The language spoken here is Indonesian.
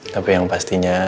tapi yang pastinya